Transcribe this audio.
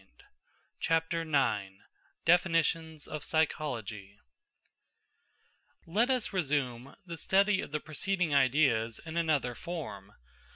] CHAPTER IX DEFINITIONS OF PSYCHOLOGY Let us resume the study of the preceding ideas in another form.